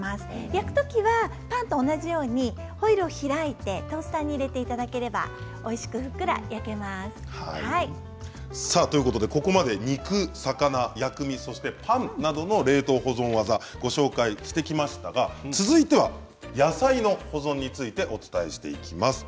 焼くときはパンと同じようにホイルを開いてトースターに入れていただければここまで肉、魚、薬味そしてパンなどの冷凍保存技をご紹介していきましたが続いては野菜の保存についてお伝えしていきます。